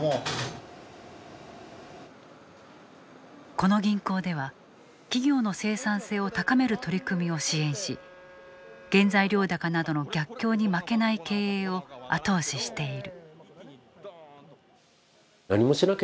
この銀行では企業の生産性を高める取り組みを支援し原材料高などの逆境に負けない経営を後押ししている。